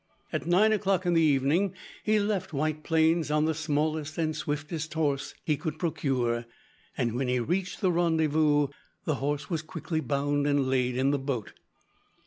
At nine o'clock in the evening he left White Plains on the smallest and swiftest horse he could procure, and when he reached the rendezvous, the horse was quickly bound and laid in the boat.